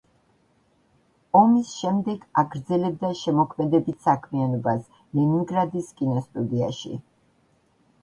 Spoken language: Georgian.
ომის შემდეგ აგრძელებდა შემოქმედებით საქმიანობას ლენინგრადის კინოსტუდიაში.